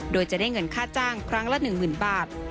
โดยจะได้เงินค่าจ้างครั้งละหนึ่งหมื่นบาท